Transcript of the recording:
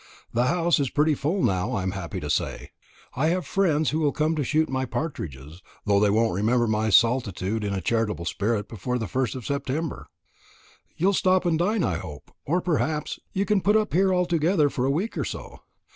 The house is pretty full now, I am happy to say. I have friends who will come to shoot my partridges, though they won't remember my solitude in a charitable spirit before the first of September. You'll stop and dine, I hope; or perhaps you can put up here altogether for a week or so.